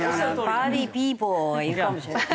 パーティーピーポーはいるかもしれない。